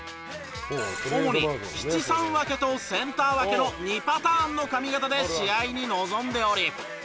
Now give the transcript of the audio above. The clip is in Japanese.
主に七三分けとセンター分けの２パターンの髪型で試合に臨んでおり。